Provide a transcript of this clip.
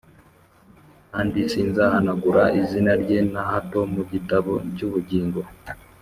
kandi sinzahanagura izina rye na hato mu gitabo cy’ubugingo,